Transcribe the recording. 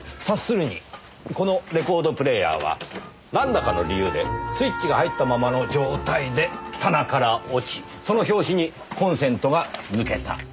察するにこのレコードプレーヤーはなんらかの理由でスイッチが入ったままの状態で棚から落ちその拍子にコンセントが抜けた。